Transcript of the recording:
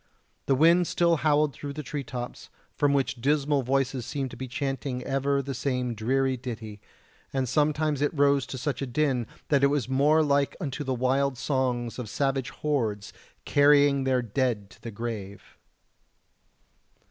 The wind still howled through the tree tops, from which dismal voices seemed to be chanting ever the same dreary ditty, and sometimes it rose to such a din that it was more like unto the wild songs of savage hordes carrying their dead to the grave.